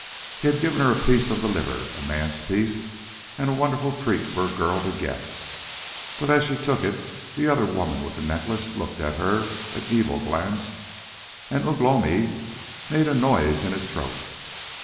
He had given her a piece of the liver, a man's piece, and a wonderful treat for a girl to get; but as she took it the other woman with the necklace had looked at her, an evil glance, and Ugh lomi had made a noise in his throat.